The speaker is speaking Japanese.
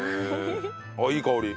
あっいい香り。